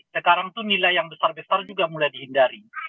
sekarang itu nilai yang besar besar juga mulai dihindari